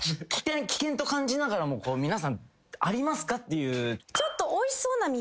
危険と感じながらも皆さんありますかと。